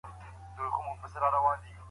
ټولنیز واقعیت یوه شخصي پدیده نه ده.